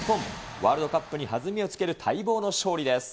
ワールドカップに弾みをつける待望の勝利です。